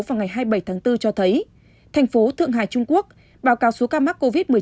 vào ngày hai mươi bảy tháng bốn cho thấy thành phố thượng hải trung quốc báo cáo số ca mắc covid một mươi chín